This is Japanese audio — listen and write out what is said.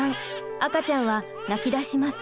赤ちゃんは泣き出します。